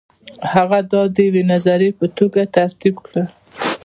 هغه دا د یوې نظریې په توګه ترتیب کړه.